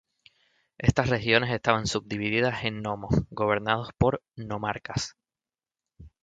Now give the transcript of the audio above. Estas regiones estaban subdivididas en nomos, gobernados por "nomarcas".